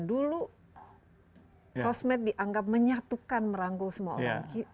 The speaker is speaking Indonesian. dulu sosmed dianggap menyatukan merangkul semua orang